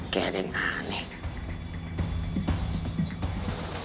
kayak ada yang aneh